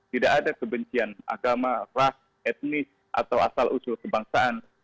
tidak ada kebencian agama ras etnis atau asal usul kebangsaan